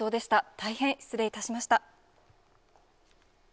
大変失礼いたしました。